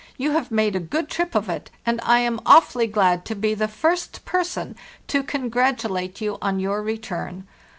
You have made a good trip of it, and I am awfully glad to be the first person to congratulate you on your return.